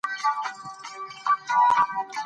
الوچه د اشتها په ښه کولو کې مرسته کوي.